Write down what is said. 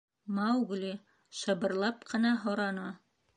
Маугли шыбырлап ҡына һораны: